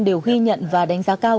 đều ghi nhận và đánh giá cao